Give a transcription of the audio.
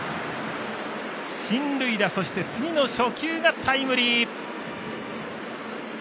進塁打、そして次の初球がタイムリー。